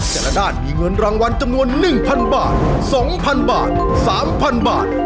แต่ละด้านมีเงินรางวัลจำนวน๑๐๐บาท๒๐๐บาท๓๐๐บาท